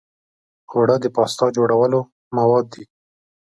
اوړه د پاستا جوړولو مواد دي